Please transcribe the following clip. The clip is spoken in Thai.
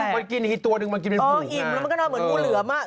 มันกินอีกตัวนึงมันกินเป็นผูงน่ะเอออิ่มแล้วมันก็นอนเหมือนงูเหลือมา